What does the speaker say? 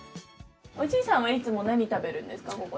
おじいさんはいつも何食べるんですか？